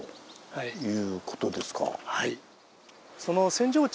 はい。